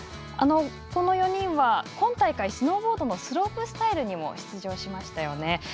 この４人は、今大会スノーボードのスロープスタイルにも出場しましたよね。